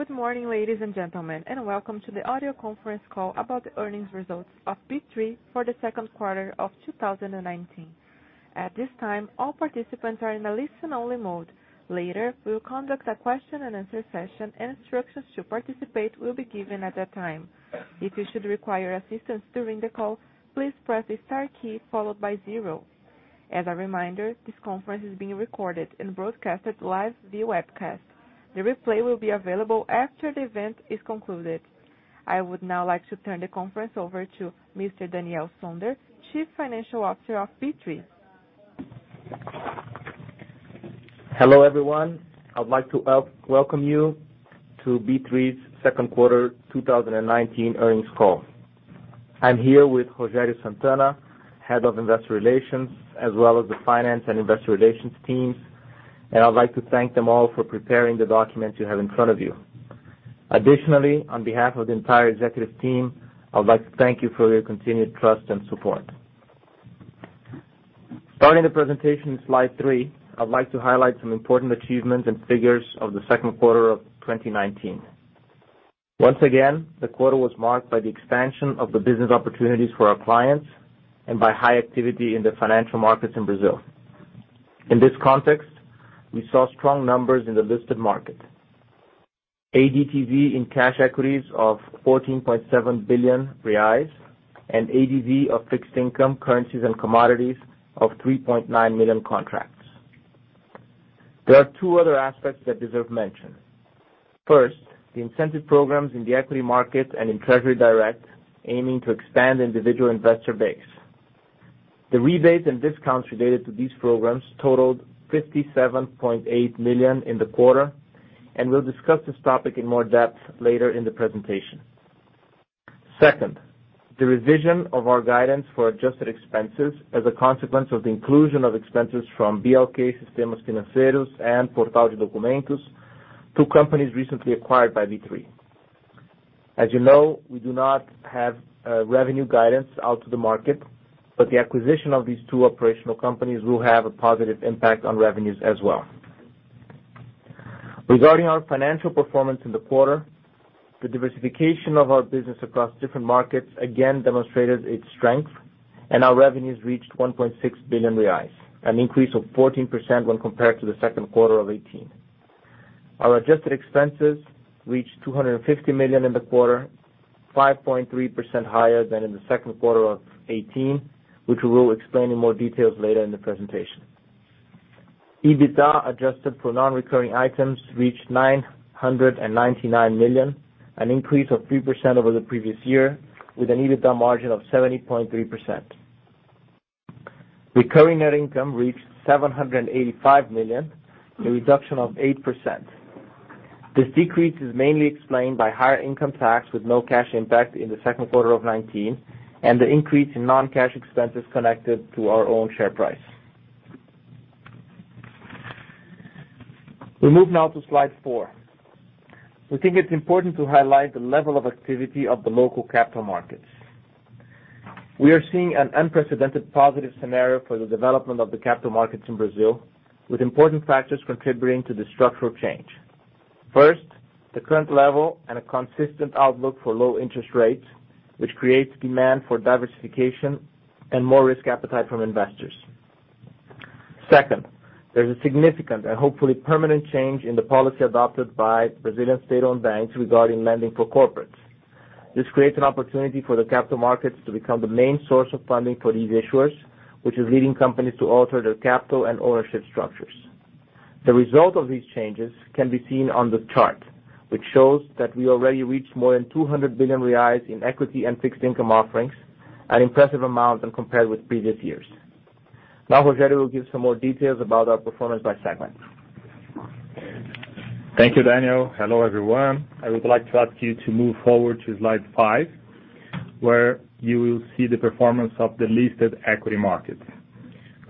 Good morning, ladies and gentlemen, welcome to the audio conference call about the earnings results of B3 for the second quarter of 2019. At this time, all participants are in a listen-only mode. Later, we will conduct a question and answer session, and instructions to participate will be given at that time. If you should require assistance during the call, please press the star key followed by zero. As a reminder, this conference is being recorded and broadcasted live via webcast. The replay will be available after the event is concluded. I would now like to turn the conference over to Mr. Daniel Sonder, Chief Financial Officer of B3. Hello, everyone. I'd like to welcome you to B3's second quarter 2019 earnings call. I'm here with Rogério Santana, Head of Investor Relations, as well as the finance and investor relations teams, and I'd like to thank them all for preparing the documents you have in front of you. Additionally, on behalf of the entire executive team, I would like to thank you for your continued trust and support. Starting the presentation in slide three, I'd like to highlight some important achievements and figures of the second quarter of 2019. Once again, the quarter was marked by the expansion of the business opportunities for our clients and by high activity in the financial markets in Brazil. In this context, we saw strong numbers in the listed market. ADTV in cash equities of 14.7 billion reais and ADV of fixed income currencies and commodities of 3.9 million contracts. There are two other aspects that deserve mention. First, the incentive programs in the equity market and in Treasury Direct, aiming to expand individual investor base. The rebates and discounts related to these programs totaled 57.8 million in the quarter, and we'll discuss this topic in more depth later in the presentation. Second, the revision of our guidance for adjusted expenses as a consequence of the inclusion of expenses from BLK Sistemas Financeiros and Portal de Documentos, two companies recently acquired by B3. As you know, we do not have revenue guidance out to the market, but the acquisition of these two operational companies will have a positive impact on revenues as well. Regarding our financial performance in the quarter, the diversification of our business across different markets again demonstrated its strength and our revenues reached 1.6 billion reais, an increase of 14% when compared to the second quarter of 2018. Our adjusted expenses reached 250 million in the quarter, 5.3% higher than in the second quarter of 2018, which we will explain in more details later in the presentation. EBITDA adjusted for non-recurring items reached 999 million, an increase of 3% over the previous year, with an EBITDA margin of 70.3%. Recurring net income reached 785 million, a reduction of 8%. This decrease is mainly explained by higher income tax with no cash impact in the second quarter of 2019 and the increase in non-cash expenses connected to our own share price. We move now to slide four. We think it's important to highlight the level of activity of the local capital markets. We are seeing an unprecedented positive scenario for the development of the capital markets in Brazil, with important factors contributing to the structural change. First, the current level and a consistent outlook for low interest rates, which creates demand for diversification and more risk appetite from investors. Second, there's a significant and hopefully permanent change in the policy adopted by Brazilian state-owned banks regarding lending for corporates. This creates an opportunity for the capital markets to become the main source of funding for these issuers, which is leading companies to alter their capital and ownership structures. The result of these changes can be seen on the chart, which shows that we already reached more than 200 billion reais in equity and fixed income offerings, an impressive amount when compared with previous years. Now Rogério will give some more details about our performance by segment. Thank you, Daniel. Hello, everyone. I would like to ask you to move forward to slide five, where you will see the performance of the listed equity markets.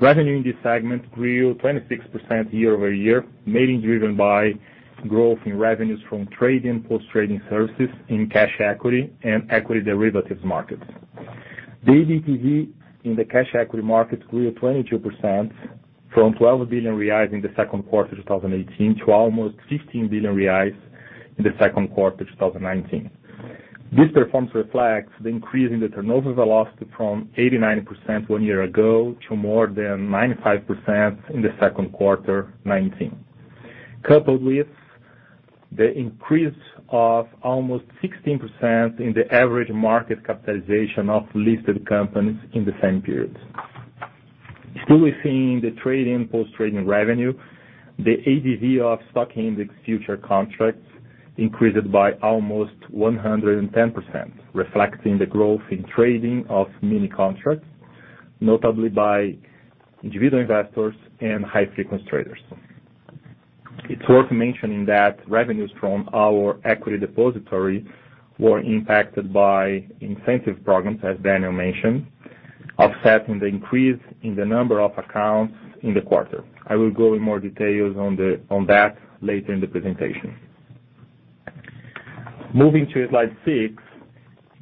Revenue in this segment grew 26% year-over-year, mainly driven by growth in revenues from trade and post-trading services in cash equity and equity derivatives markets. The ADTV in the cash equity market grew 22% from 12 billion reais in the second quarter 2018 to almost 15 billion reais in the second quarter 2019. This performance reflects the increase in the turnover velocity from 89% one year ago to more than 95% in the second quarter 2019, coupled with the increase of almost 16% in the average market capitalization of listed companies in the same periods. Still within the trade and post-trading revenue, the ADTV of stock index future contracts increased by almost 110%, reflecting the growth in trading of mini contracts, notably by individual investors and high-frequency traders. It's worth mentioning that revenues from our equity depository were impacted by incentive programs, as Daniel mentioned, offsetting the increase in the number of accounts in the quarter. I will go in more details on that later in the presentation. Moving to slide six,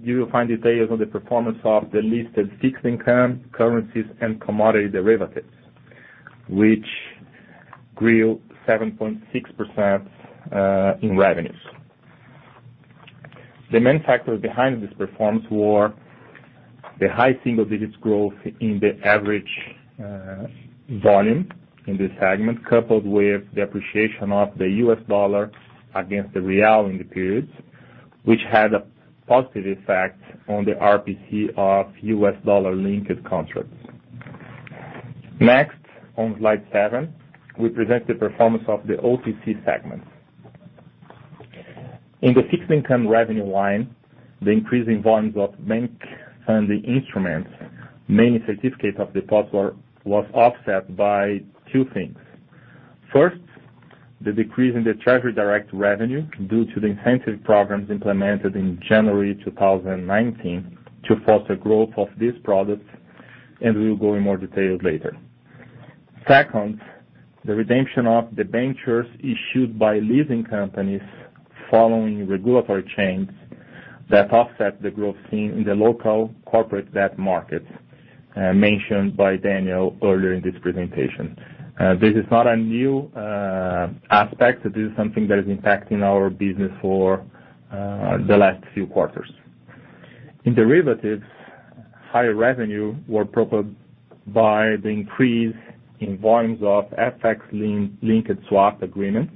you will find details on the performance of the listed fixed income currencies and commodity derivatives, which grew 7.6% in revenues. The main factors behind this performance were the high single-digits growth in the average volume in this segment, coupled with the appreciation of the US dollar against the real in the periods, which had a positive effect on the RPC of US dollar-linked contracts. Next, on slide seven, we present the performance of the OTC segment. In the fixed income revenue line, the increase in volumes of bank funding instruments, mainly certificates of deposit, was offset by two things. First, the decrease in the Treasury Direct revenue due to the incentive programs implemented in January 2019 to foster growth of these products. We will go in more details later. Second, the redemption of the ventures issued by leasing companies following regulatory changes that offset the growth seen in the local corporate debt markets mentioned by Daniel earlier in this presentation. This is not a new aspect. This is something that is impacting our business for the last few quarters. In derivatives, higher revenue was propelled by the increase in volumes of FX-linked swap agreements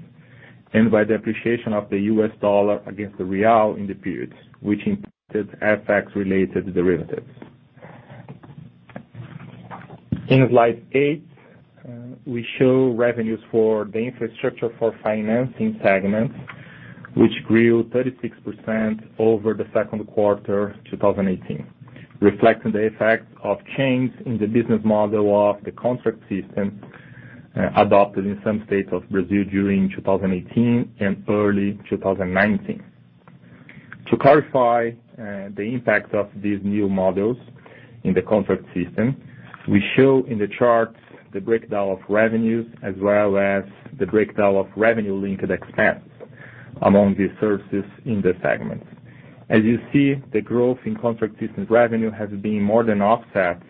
and by the appreciation of the US dollar against the real in the periods, which impacted FX-related derivatives. In slide eight, we show revenues for the infrastructure for financing segments, which grew 36% over the second quarter 2018, reflecting the effect of changes in the business model of the contract system adopted in some states of Brazil during 2018 and early 2019. To clarify the impact of these new models in the contract system, we show in the charts the breakdown of revenues as well as the breakdown of revenue-linked expense among these services in the segment. As you see, the growth in contract system revenue has been more than offset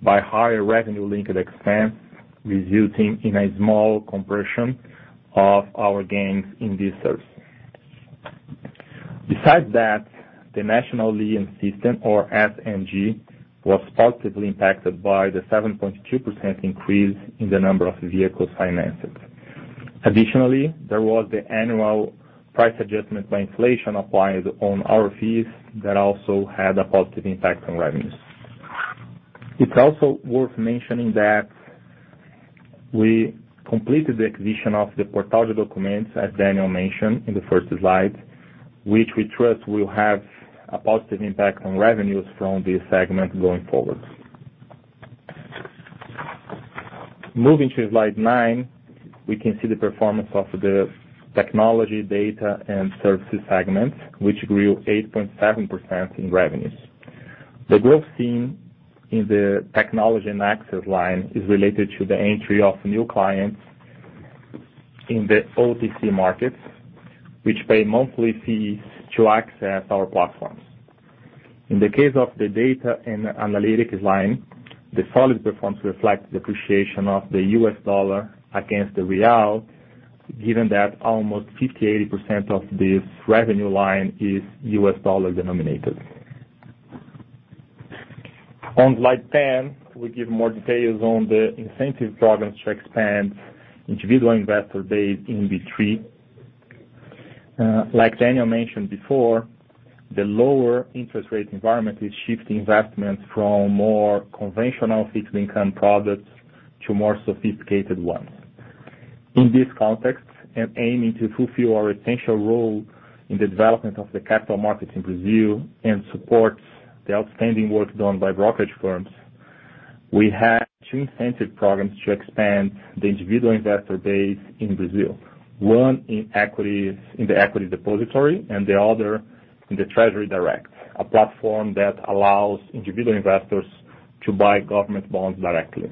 by higher revenue linked expense, resulting in a small compression of our gains in this service. Besides that, the national leasing system or SNG was positively impacted by the 7.2% increase in the number of vehicles financed. Additionally, there was the annual price adjustment by inflation applied on our fees that also had a positive impact on revenues. It is also worth mentioning that we completed the acquisition of the Portal de Documentos, as Daniel mentioned in the first slide, which we trust will have a positive impact on revenues from this segment going forward. Moving to slide nine, we can see the performance of the Technology, Data and Services segment, which grew 8.7% in revenues. The growth seen in the technology and access line is related to the entry of new clients in the OTC markets, which pay monthly fees to access our platforms. In the case of the data and analytics line, the solid performance reflects the appreciation of the U.S. dollar against the real, given that almost 58% of this revenue line is U.S. dollar denominated. On slide 10, we give more details on the incentive programs to expand individual investor base in B3. Like Daniel mentioned before, the lower interest rate environment is shifting investments from more conventional fixed income products to more sophisticated ones. In this context and aiming to fulfill our essential role in the development of the capital markets in Brazil and support the outstanding work done by brokerage firms, we have two incentive programs to expand the individual investor base in Brazil. One in the equity depository and the other in the Treasury Direct, a platform that allows individual investors to buy government bonds directly.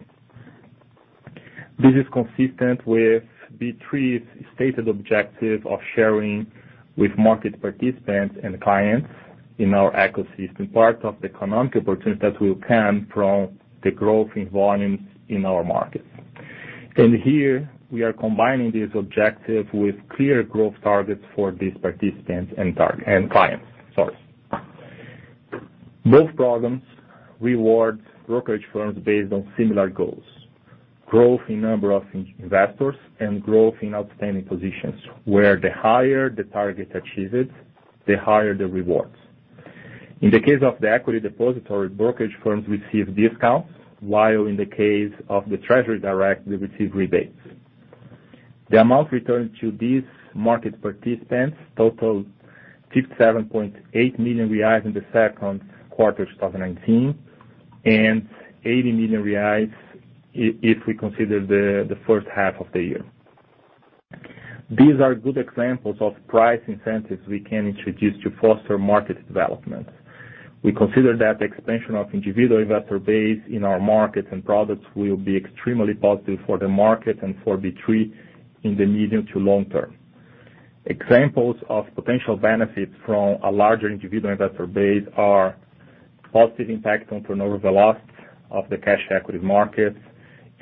This is consistent with B3's stated objective of sharing with market participants and clients in our ecosystem part of the economic opportunities that will come from the growth in volumes in our markets. Here we are combining this objective with clear growth targets for these participants and clients. Sorry. Both programs reward brokerage firms based on similar goals, growth in number of investors, and growth in outstanding positions, where the higher the target achieved, the higher the rewards. In the case of the equity depository, brokerage firms receive discounts, while in the case of the Treasury Direct, they receive rebates. The amount returned to these market participants totaled 57.8 million reais in the second quarter of 2019 and 80 million reais if we consider the first half of the year. These are good examples of price incentives we can introduce to foster market development. We consider that the expansion of individual investor base in our markets and products will be extremely positive for the market and for B3 in the medium to long term. Examples of potential benefits from a larger individual investor base are positive impact on turnover velocity of the cash equity markets,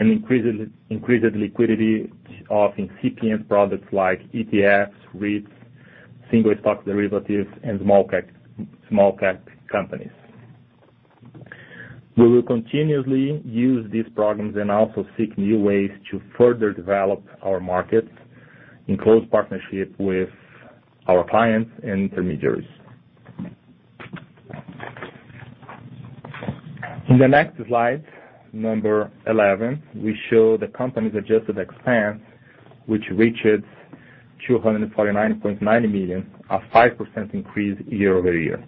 and increased liquidity of incipient products like ETFs, REITs, single stock derivatives, and small-cap companies. We will continuously use these programs and also seek new ways to further develop our markets in close partnership with our clients and intermediaries. In the next slide, number 11, we show the company's adjusted expense, which reaches 249.9 million, a 5% increase year-over-year.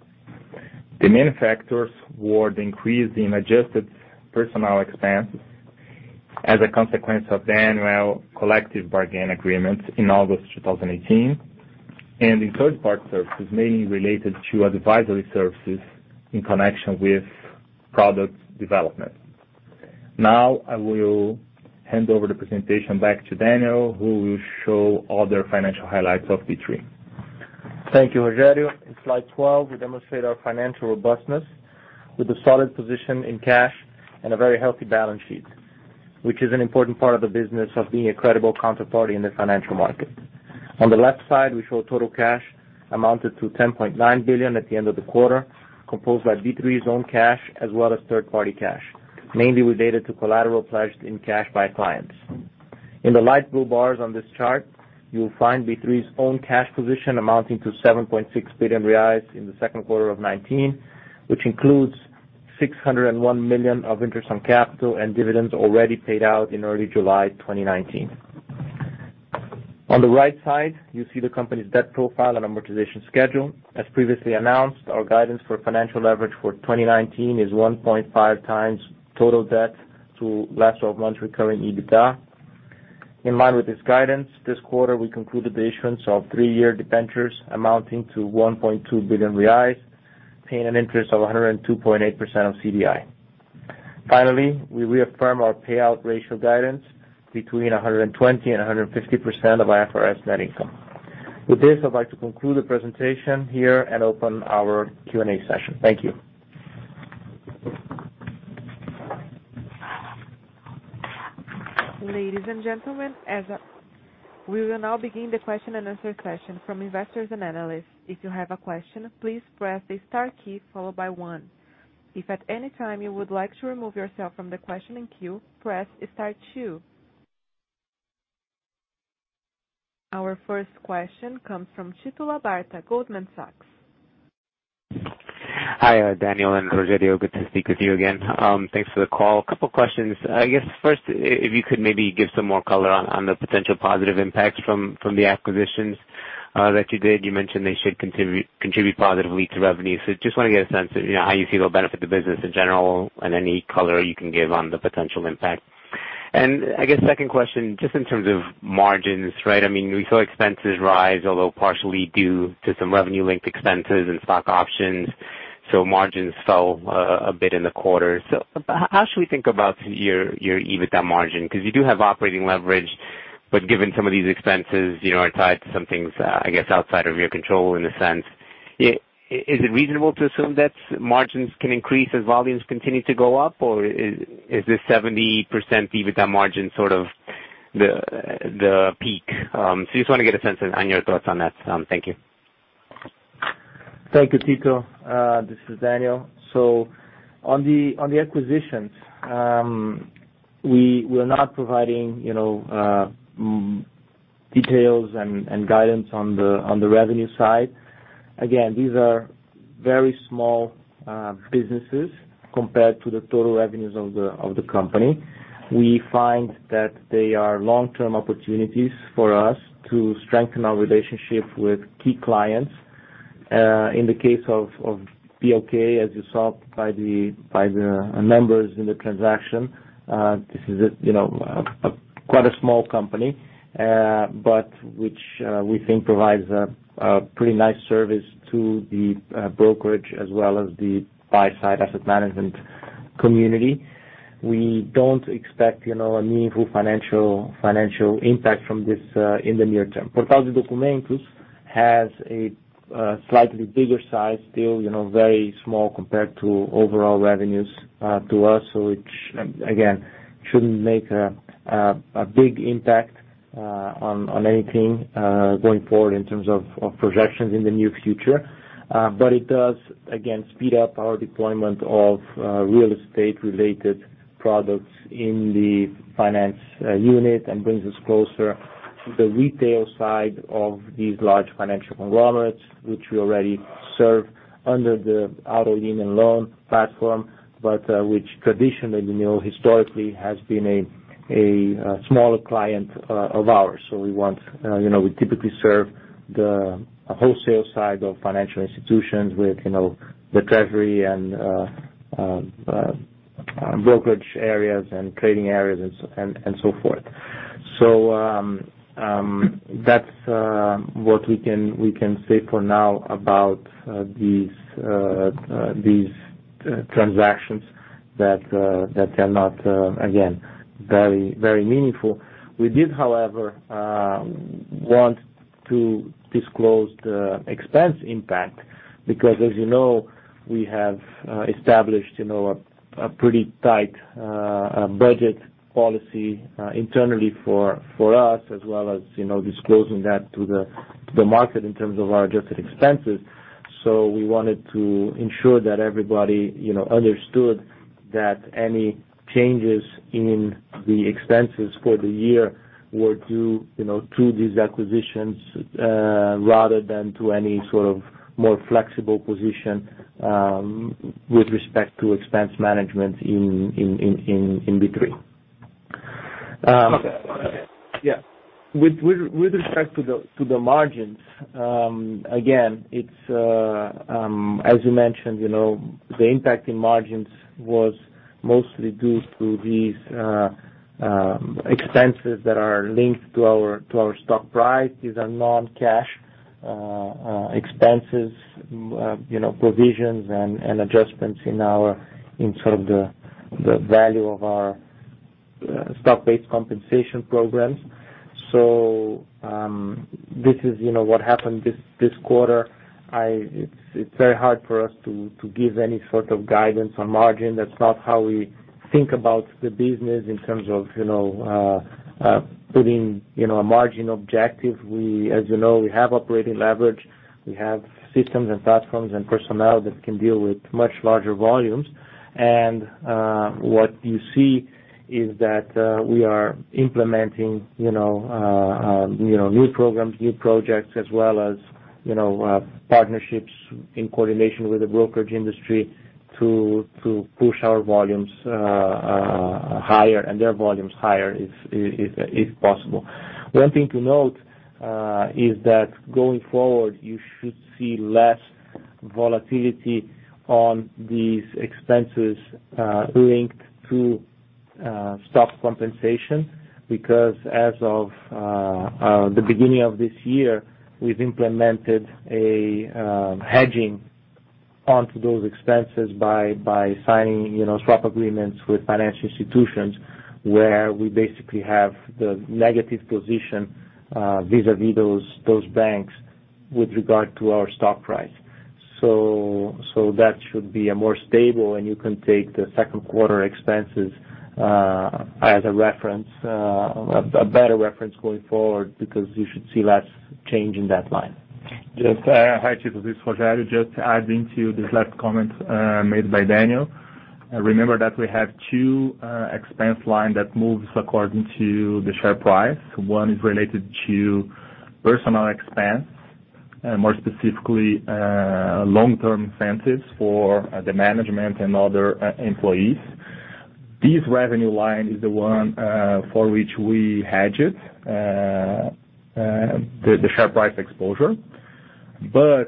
The main factors were the increase in adjusted personnel expenses as a consequence of the annual collective bargain agreements in August 2018, and in third-party services, mainly related to advisory services in connection with product development. Now, I will hand over the presentation back to Daniel, who will show other financial highlights of B3. Thank you, Rogério. In slide 12, we demonstrate our financial robustness with a solid position in cash and a very healthy balance sheet, which is an important part of the business of being a credible counterparty in the financial market. On the left side, we show total cash amounted to 10.9 billion at the end of the quarter, composed by B3's own cash as well as third-party cash, mainly related to collateral pledged in cash by clients. In the light blue bars on this chart, you will find B3's own cash position amounting to 7.6 billion reais in the second quarter of 2019, which includes 601 million of interest on capital and dividends already paid out in early July 2019. On the right side, you see the company's debt profile and amortization schedule. As previously announced, our guidance for financial leverage for 2019 is 1.5 times total debt to last 12 months' recurring EBITDA. In line with this guidance, this quarter, we concluded the issuance of three-year debentures amounting to 1.2 billion reais, paying an interest of 102.8% of CDI. Finally, we reaffirm our payout ratio guidance between 120% and 150% of IFRS net income. With this, I'd like to conclude the presentation here open our Q&A session. Thank you. Ladies and gentlemen, we will now begin the question and answer session from investors and analysts. If you have a question, please press the star key followed by one. If at any time you would like to remove yourself from the questioning queue, press star two. Our first question comes from Tito Labarta, Goldman Sachs. Hi, Daniel and Rogério. Good to speak with you again. Thanks for the call. A couple questions. I guess first, if you could maybe give some more color on the potential positive impact from the acquisitions that you did. You mentioned they should contribute positively to revenue. I just want to get a sense of how you feel it will benefit the business in general and any color you can give on the potential impact. I guess second question, just in terms of margins. We saw expenses rise, although partially due to some revenue-linked expenses and stock options. Margins fell a bit in the quarter. How should we think about your EBITDA margin? You do have operating leverage, but given some of these expenses are tied to some things, I guess, outside of your control in a sense, is it reasonable to assume that margins can increase as volumes continue to go up? Is this 70% EBITDA margin sort of the peak? Just want to get a sense on your thoughts on that. Thank you. Thank you, Tito. This is Daniel. On the acquisitions, we're not providing details and guidance on the revenue side. Again, these are very small businesses compared to the total revenues of the company. We find that they are long-term opportunities for us to strengthen our relationship with key clients. In the case of BLK, as you saw by the members in the transaction, this is quite a small company, but which we think provides a pretty nice service to the brokerage as well as the buy-side asset management community. We don't expect a meaningful financial impact from this in the near term. Portal de Documentos has a slightly bigger size, still very small compared to overall revenues to us. Which again, shouldn't make a big impact on anything going forward in terms of projections in the near future. It does, again, speed up our deployment of real estate-related products in the finance unit and brings us closer to the retail side of these large financial conglomerates, which we already serve under the auto loan and loan platform, but which traditionally, historically has been a smaller client of ours. We typically serve the wholesale side of financial institutions with the treasury and brokerage areas and trading areas and so forth. That's what we can say for now about these transactions that are not, again, very meaningful. We did, however, want to disclose the expense impact, because as you know, we have established a pretty tight budget policy internally for us, as well as disclosing that to the market in terms of our adjusted expenses. We wanted to ensure that everybody understood that any changes in the expenses for the year were due to these acquisitions, rather than to any sort of more flexible position with respect to expense management in B3. Okay. With respect to the margins, again, as you mentioned, the impact in margins was mostly due to these expenses that are linked to our stock price. These are non-cash expenses, provisions, and adjustments in sort of the value of our stock-based compensation programs. This is what happened this quarter. It's very hard for us to give any sort of guidance on margin. That's not how we think about the business in terms of putting a margin objective. As you know, we have operating leverage. We have systems and platforms and personnel that can deal with much larger volumes. What you see is that we are implementing new programs, new projects, as well as partnerships in coordination with the brokerage industry to push our volumes higher and their volumes higher, if possible. One thing to note is that going forward, you should see less volatility on these expenses linked to stock compensation, because as of the beginning of this year, we've implemented a hedging onto those expenses by signing swap agreements with financial institutions where we basically have the negative position vis-à-vis those banks with regard to our stock price. That should be more stable, and you can take the second quarter expenses as a reference, a better reference going forward, because you should see less change in that line. Yes. Hi, Tito. This is Rogério. Just adding to this last comment made by Daniel. Remember that we have two expense line that moves according to the share price. One is related to personnel expense, more specifically, long-term expenses for the management and other employees. This expense line is the one for which we hedge it, the share price exposure. The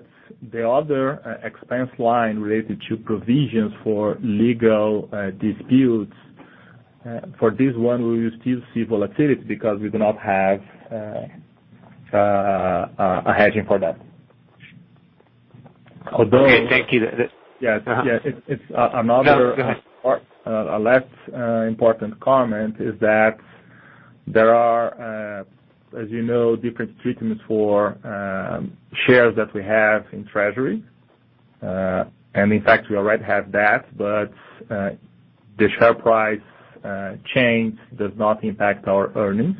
other expense line related to provisions for legal disputes, for this one, we will still see volatility because we do not have a hedging for that. Okay. Thank you. Yes. No, go ahead. A last important comment is that there are, as you know, different treatments for shares that we have in treasury. In fact, we already have that. The share price change does not impact our earnings.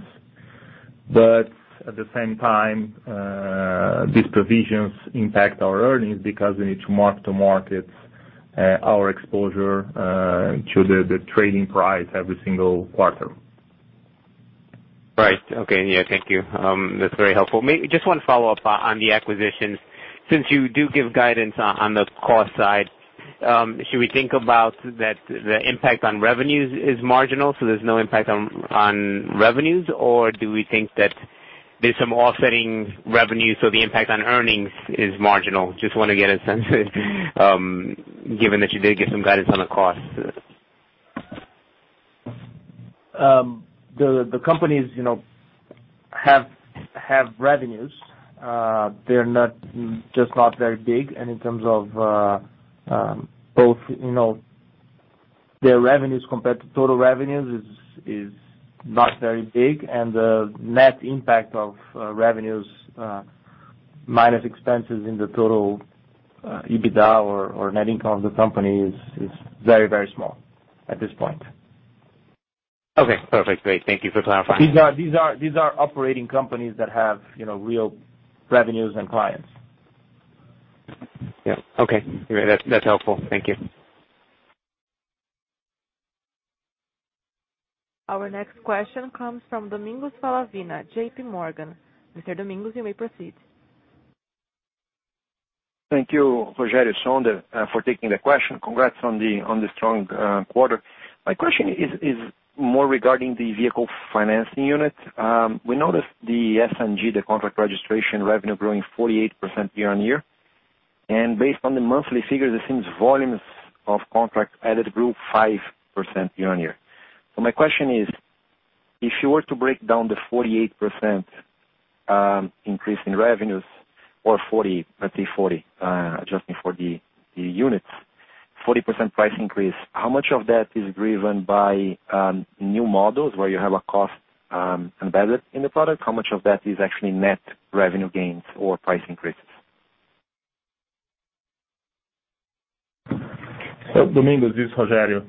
At the same time, these provisions impact our earnings because we need to mark to market our exposure to the trading price every single quarter. Right. Okay. Yeah, thank you. That's very helpful. Just one follow-up on the acquisitions. Since you do give guidance on the cost side, should we think about that the impact on revenues is marginal, so there's no impact on revenues, or do we think that there's some offsetting revenues, so the impact on earnings is marginal? Just want to get a sense, given that you did give some guidance on the costs. The companies have revenues. They're just not very big, and in terms of both their revenues compared to total revenues is not very big, and the net impact of revenues minus expenses in the total EBITDA or net income of the company is very small at this point. Okay, perfect. Great. Thank you for clarifying. These are operating companies that have real revenues and clients. Yeah. Okay. That's helpful. Thank you. Our next question comes from Domingos Falavina, J.P. Morgan. Mr. Domingos, you may proceed. Thank you, Rogério, Sonder, for taking the question. Congrats on the strong quarter. My question is more regarding the vehicle financing unit. We noticed the SNG, the contract registration revenue growing 48% year-on-year. Based on the monthly figures, it seems volumes of contract added grew 5% year-on-year. My question is, if you were to break down the 48% increase in revenues or 40, let's say 40, adjusting for the units, 40% price increase, how much of that is driven by new models where you have a cost embedded in the product? How much of that is actually net revenue gains or price increases? Domingos, this is Rogério.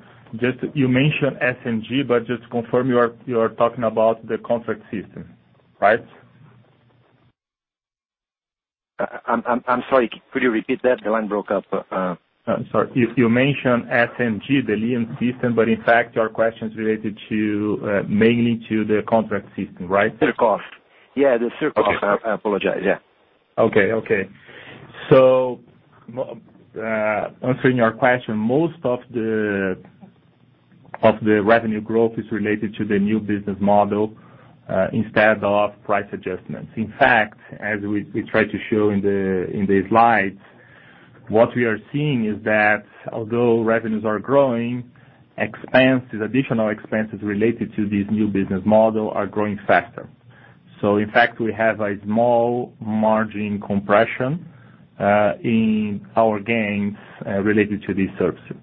You mentioned SNG, but just to confirm, you are talking about the contract system, right? I'm sorry, could you repeat that? The line broke up. Sorry. You mentioned SNG, the lease system, but in fact, your question is related mainly to the contract system, right? SureCost. Yeah, the SureCost. Okay. I apologize, yeah. Okay. Answering your question, most of the revenue growth is related to the new business model instead of price adjustments. In fact, as we try to show in the slides, what we are seeing is that although revenues are growing, additional expenses related to this new business model are growing faster. In fact, we have a small margin compression in our gains related to these services.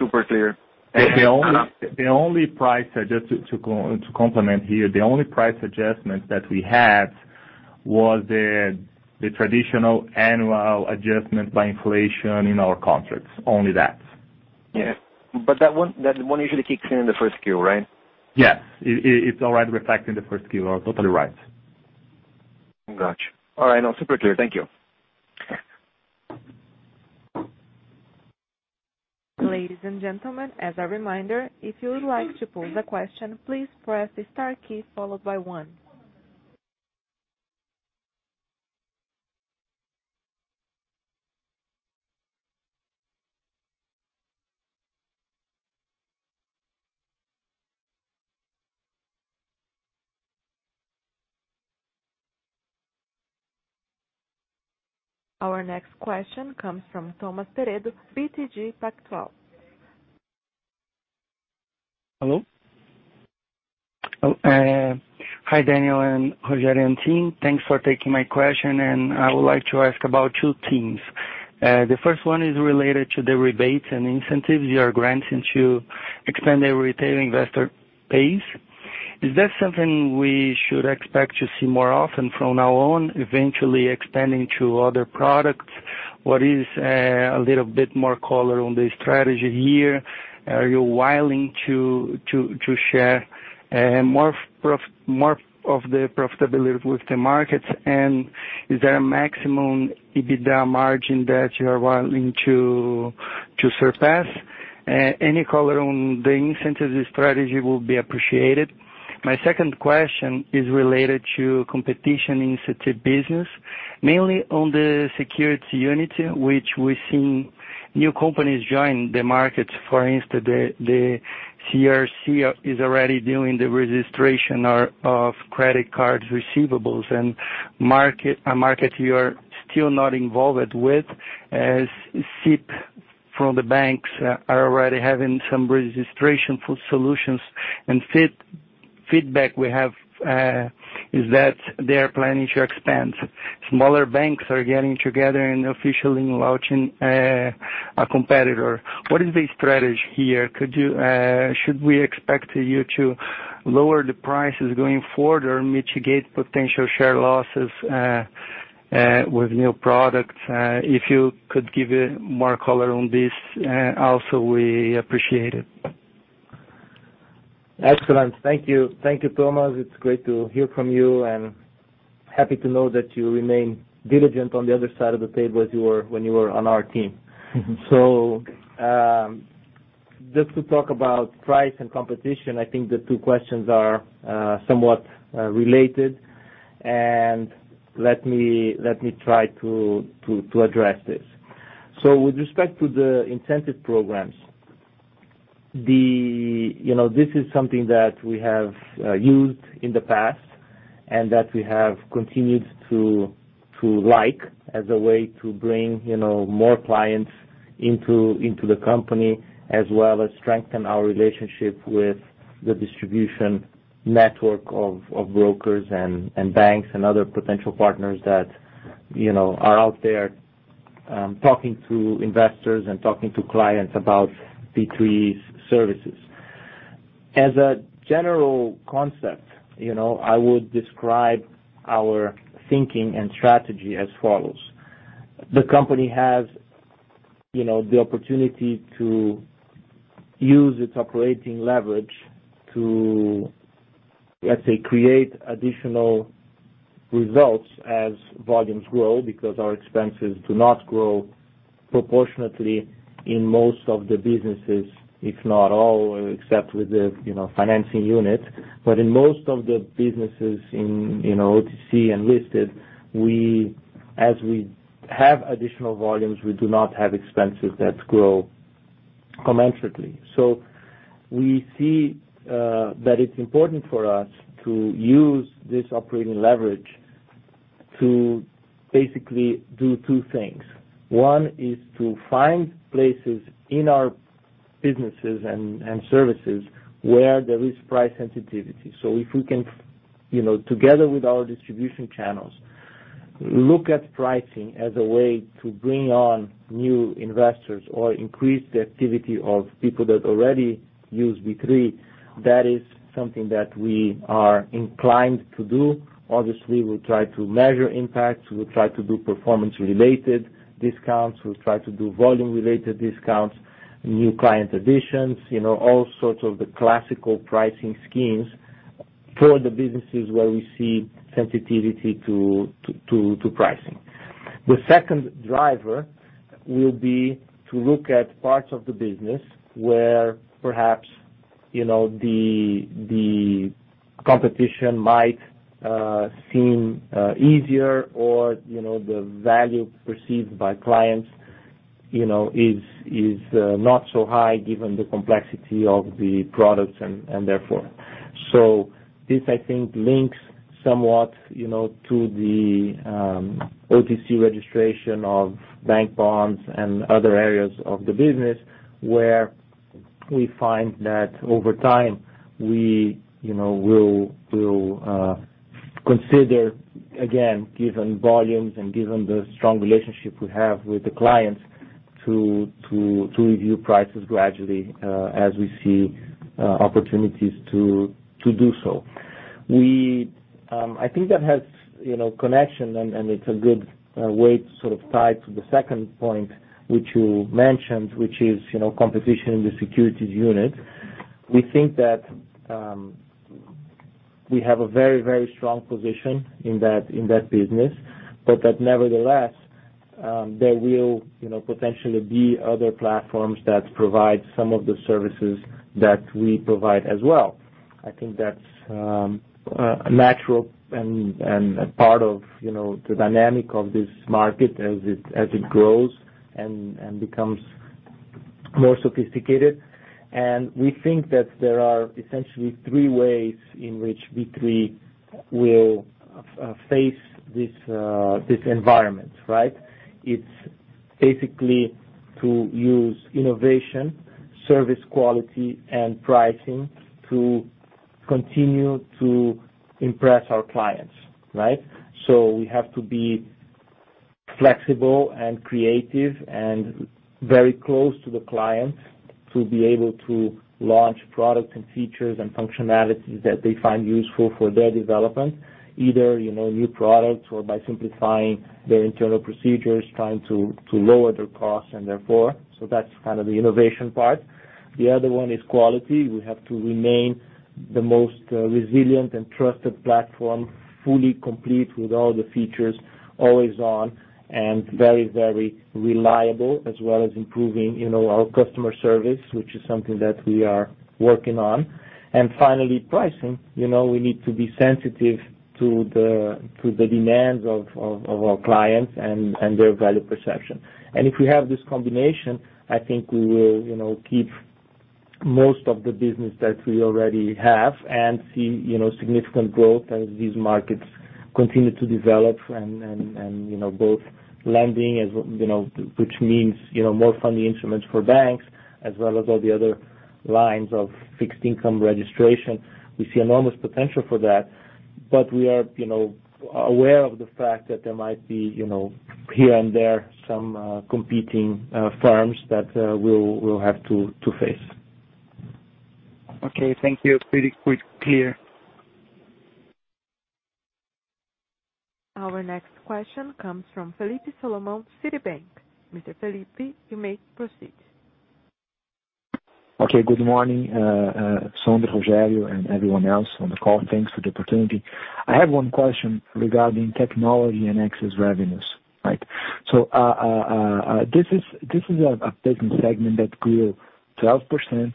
Super clear. The only price, just to complement here, the only price adjustment that we had was the traditional annual adjustment by inflation in our contracts, only that. Yeah. That one usually kicks in in the first Q, right? Yeah. It's already reflected in the first Q. Totally right. Got you. All right. No, super clear. Thank you. Ladies and gentlemen, as a reminder, if you would like to pose a question, please press the star key followed by one. Our next question comes from Thomas Peredo, BTG Pactual. Hello? Oh, hi, Daniel and Rogério and team. Thanks for taking my question. I would like to ask about two things. The first one is related to the rebates and incentives you are granting to expand the retail investor base. Is that something we should expect to see more often from now on, eventually expanding to other products? What is a little bit more color on the strategy here? Are you willing to share more of the profitability with the markets, and is there a maximum EBITDA margin that you are willing to surpass? Any color on the incentives strategy will be appreciated. My second question is related to competition in the certificate business, mainly on the securities unit, which we're seeing new companies join the market. For instance, the CRC is already doing the registration of credit card receivables, a market you are still not involved with, as CIP from the banks are already having some registration for solutions. Feedback we have is that they are planning to expand. Smaller banks are getting together and officially launching a competitor. What is the strategy here? Should we expect you to lower the prices going forward or mitigate potential share losses with new products? If you could give more color on this also, we appreciate it. Excellent. Thank you. Thank you, Thomas. It's great to hear from you, and happy to know that you remain diligent on the other side of the table as you were when you were on our team. Just to talk about price and competition, I think the two questions are somewhat related, and let me try to address this. With respect to the incentive programs, this is something that we have used in the past, and that we have continued to like as a way to bring more clients into the company as well as strengthen our relationship with the distribution network of brokers and banks and other potential partners that are out there talking to investors and talking to clients about B3's services. As a general concept, I would describe our thinking and strategy as follows. The company has the opportunity to use its operating leverage to, let's say, create additional results as volumes grow because our expenses do not grow proportionately in most of the businesses, if not all, except with the financing unit. In most of the businesses in OTC and listed, as we have additional volumes, we do not have expenses that grow. Commensurately. We see that it's important for us to use this operating leverage to basically do two things. One is to find places in our businesses and services where there is price sensitivity. If we can, together with our distribution channels, look at pricing as a way to bring on new investors or increase the activity of people that already use B3, that is something that we are inclined to do. Obviously, we'll try to measure impacts, we'll try to do performance-related discounts, we'll try to do volume-related discounts, new client additions, all sorts of the classical pricing schemes for the businesses where we see sensitivity to pricing. The second driver will be to look at parts of the business where perhaps the competition might seem easier or the value perceived by clients is not so high, given the complexity of the products. This, I think, links somewhat to the OTC registration of bank bonds and other areas of the business, where we find that over time we will consider, again, given volumes and given the strong relationship we have with the clients, to review prices gradually as we see opportunities to do so. I think that has connection, and it's a good way to sort of tie to the second point which you mentioned, which is competition in the securities unit. We think that we have a very strong position in that business. That nevertheless, there will potentially be other platforms that provide some of the services that we provide as well. I think that's natural and a part of the dynamic of this market as it grows and becomes more sophisticated. We think that there are essentially three ways in which B3 will face this environment, right? It's basically to use innovation, service quality, and pricing to continue to impress our clients. Right? We have to be flexible and creative and very close to the clients to be able to launch products and features and functionalities that they find useful for their development. Either new products or by simplifying their internal procedures, trying to lower their costs. That's kind of the innovation part. The other one is quality. We have to remain the most resilient and trusted platform, fully complete with all the features, always on, and very reliable, as well as improving our customer service, which is something that we are working on. Finally, pricing. We need to be sensitive to the demands of our clients and their value perception. If we have this combination, I think we will keep most of the business that we already have and see significant growth as these markets continue to develop and both lending, which means more funding instruments for banks, as well as all the other lines of fixed income registration. We see enormous potential for that. We are aware of the fact that there might be, here and there, some competing firms that we will have to face. Okay. Thank you. Pretty clear. Our next question comes from Felipe Salomão, Citibank. Mr. Felipe, you may proceed. Okay. Good morning, Sonder, Rogério, and everyone else on the call. Thanks for the opportunity. I have one question regarding technology and access revenues. Right? This is a business segment that grew 12%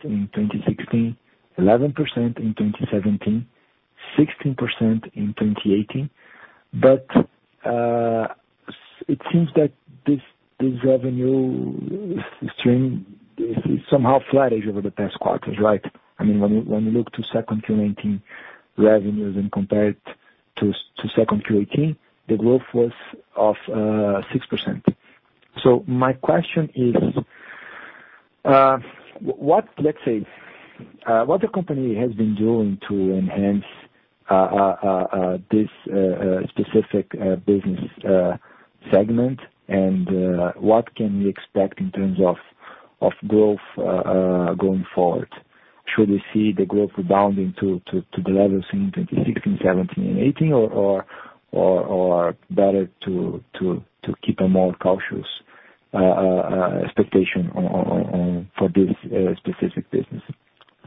in 2016, 11% in 2017, 16% in 2018. It seems that this revenue stream is somehow flattish over the past quarters, right? When you look to second Q19 revenues and compare it to second Q18, the growth was of 6%. My question is, let's say, what the company has been doing to enhance this specific business segment, and what can we expect in terms of growth going forward? Should we see the growth rebounding to the levels in 2016, 2017, and 2018, or better to keep a more cautious expectation for this specific business?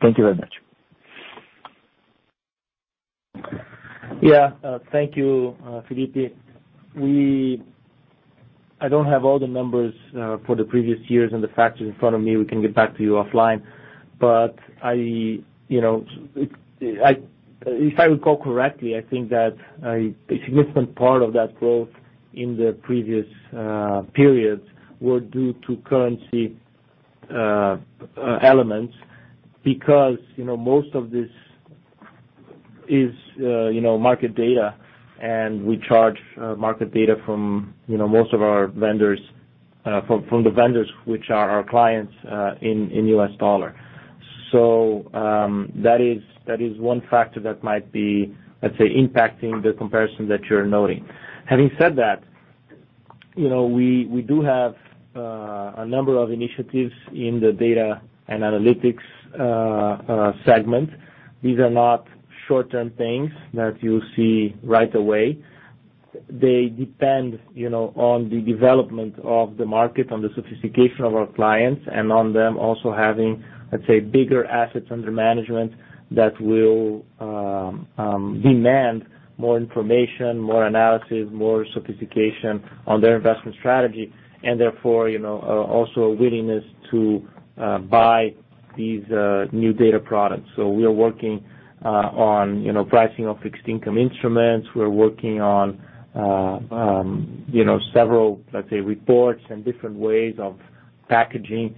Thank you very much. Yeah. Thank you, Felipe. I don't have all the numbers for the previous years and the factors in front of me. We can get back to you offline. If I recall correctly, I think that a significant part of that growth in the previous periods were due to currency elements because most of this is market data, and we charge market data from most of our vendors, from the vendors which are our clients, in US dollar. That is one factor that might be, let's say, impacting the comparison that you're noting. Having said that, we do have a number of initiatives in the data and analytics segment. These are not short-term things that you'll see right away. They depend on the development of the market, on the sophistication of our clients, and on them also having, let's say, bigger assets under management that will demand more information, more analysis, more sophistication on their investment strategy, and therefore, also a willingness to buy these new data products. We are working on pricing of fixed income instruments. We're working on several, let's say, reports and different ways of packaging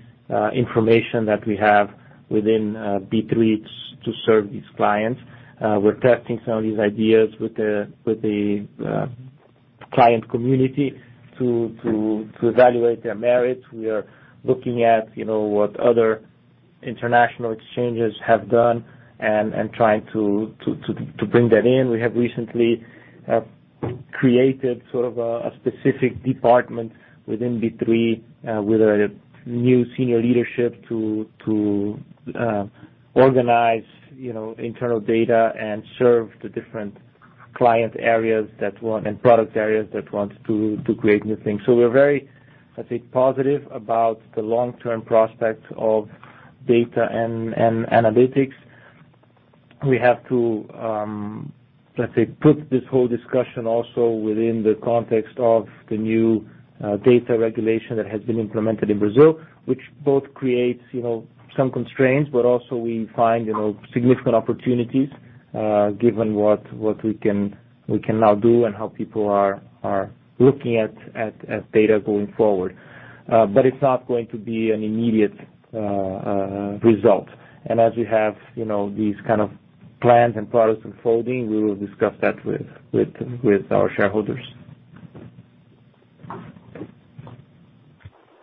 information that we have within B3 to serve these clients. We're testing some of these ideas with the client community to evaluate their merits. We are looking at what other international exchanges have done and trying to bring that in. We have recently created sort of a specific department within B3 with a new senior leadership to organize internal data and serve the different client areas and product areas that want to create new things. We're very, let's say, positive about the long-term prospects of data and analytics. We have to, let's say, put this whole discussion also within the context of the new data regulation that has been implemented in Brazil, which both creates some constraints, but also we find significant opportunities, given what we can now do and how people are looking at data going forward. It's not going to be an immediate result. As we have these kind of plans and products unfolding, we will discuss that with our shareholders.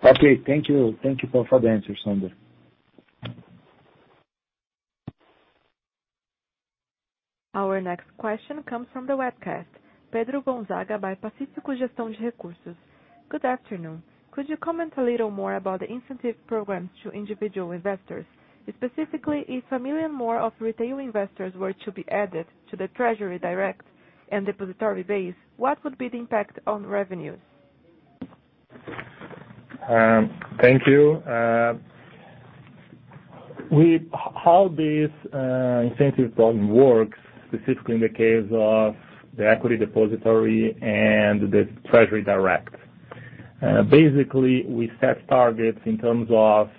Okay. Thank you. Thank you, [Paulo], for the answer. Sonder. Our next question comes from the webcast, Pedro Gonzaga by Pacífico Gestão de Recursos. Good afternoon. Could you comment a little more about the incentive programs to individual investors? Specifically, if 1 million more of retail investors were to be added to the Treasury Direct and depository base, what would be the impact on revenues? Thank you. How this incentive problem works, specifically in the case of the equity depository and the Treasury Direct. Basically, we set targets in terms of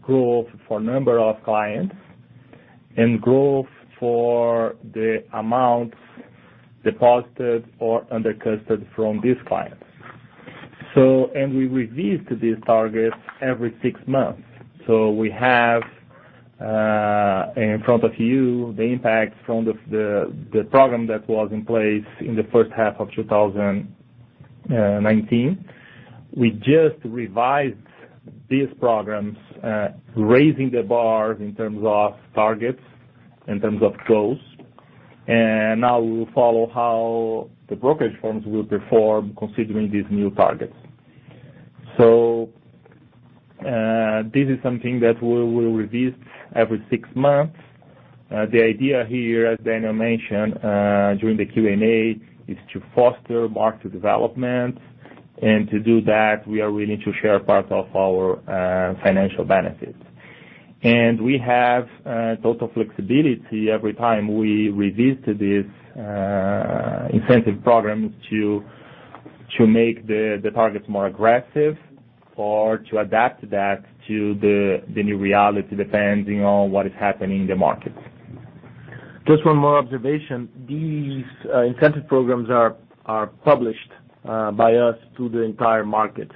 growth for number of clients and growth for the amount deposited or under custody from these clients. We review these targets every six months. We have, in front of you, the impact from the program that was in place in the first half of 2019. We just revised these programs, raising the bar in terms of targets, in terms of goals, and now we will follow how the brokerage firms will perform considering these new targets. This is something that we will review every six months. The idea here, as Daniel mentioned during the Q&A, is to foster market development. To do that, we are willing to share part of our financial benefits. We have total flexibility every time we review these incentive programs to make the targets more aggressive or to adapt that to the new reality, depending on what is happening in the market. Just one more observation. These incentive programs are published by us to the entire market.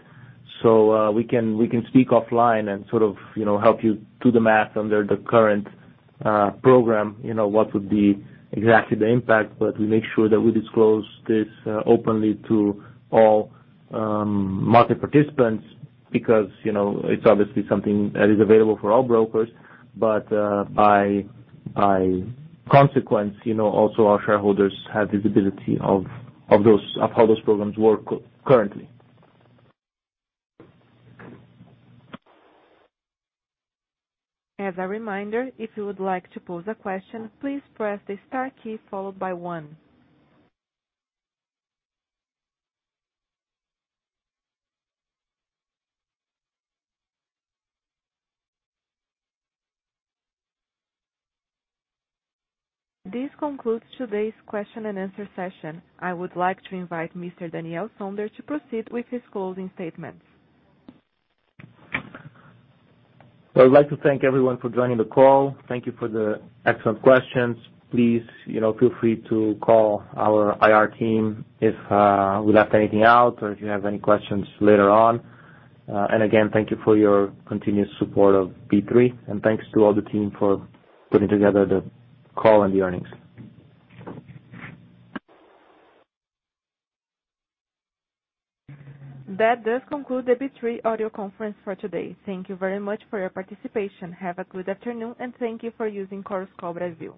We can speak offline and sort of help you do the math under the current program what would be exactly the impact. We make sure that we disclose this openly to all market participants because it is obviously something that is available for all brokers, but by consequence, also our shareholders have visibility of how those programs work currently. As a reminder, if you would like to pose a question, please press the star key followed by one. This concludes today's question and answer session. I would like to invite Mr. Daniel Sonder to proceed with his closing statements. I'd like to thank everyone for joining the call. Thank you for the excellent questions. Please feel free to call our IR team if we left anything out or if you have any questions later on. Again, thank you for your continuous support of B3, and thanks to all the team for putting together the call and the earnings. That does conclude the B3 audio conference for today. Thank you very much for your participation. Have a good afternoon, and thank you for using Chorus Call Brazil.